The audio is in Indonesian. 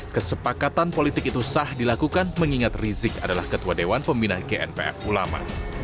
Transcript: kesepakatan politik itu sah dilakukan mengingat rizik adalah ketua dewan pembina gnpf ulama